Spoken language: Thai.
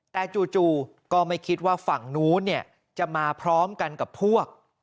แต่จู่ก็ไม่คิดว่าฝั่งนู้นจะมาพร้อมกันกับพวก